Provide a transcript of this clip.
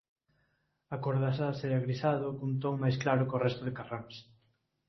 A cos das ás é agrisado cun ton máis claro có resto de carráns.